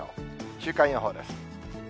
週間予報です。